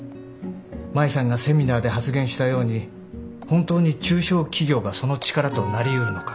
舞さんがセミナーで発言したように本当に中小企業がその力となりうるのか。